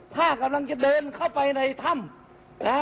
ท่ากำลังจะเดินเข้าไปในถ้ำ